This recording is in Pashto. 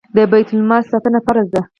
د بیت المال ساتنه فرض ده